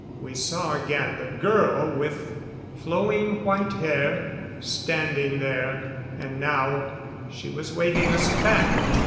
We saw again the girl with flowing white hair standing there. And now she was waving us back.